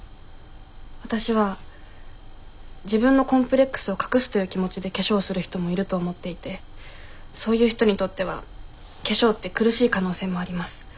わたしは自分のコンプレックスを隠すという気持ちで化粧をする人もいると思っていてそういう人にとっては化粧って苦しい可能性もあります。